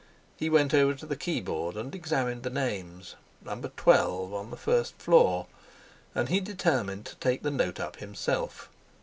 He went over to the keyboard and examined the names. Number twelve, on the first floor! And he determined to take the note up himself.